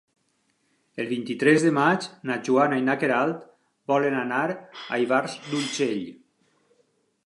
El vint-i-tres de maig na Joana i na Queralt volen anar a Ivars d'Urgell.